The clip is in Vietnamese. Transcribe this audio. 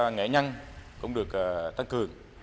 nghệ nhân cũng được tăng cường